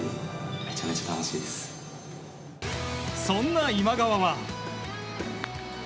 そんな今川は。